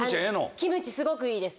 キムチすごくいいです。